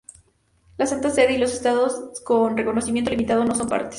La Santa Sede y los estados con reconocimiento limitado no son partes.